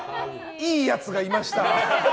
いいやつがいました。